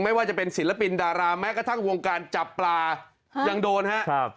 ไม่ว่าจะเป็นศิลปินดาราแม้กระทั่งวงการจับปลายังโดนครับ